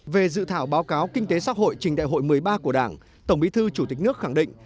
về dự thảo báo cáo kinh tế xã hội trình đại hội một mươi ba của đảng tổng bí thư chủ tịch nước khẳng định